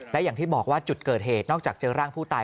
และอย่างที่บอกว่าจุดเกิดเหตุนอกจากเจอร่างผู้ตาย